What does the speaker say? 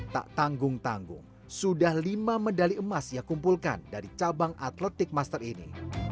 tak tanggung tanggung sudah lima medali emas ia kumpulkan dari cabang atletik master ini